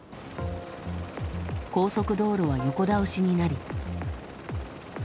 高速道路は横倒しになり。